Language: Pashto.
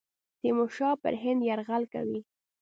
تیمورشاه به پر هند یرغل کوي.